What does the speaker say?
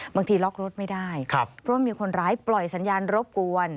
บางทีล็อกรถไม่ได้เพราะมีคนร้ายปล่อยสัญญาณรบกวน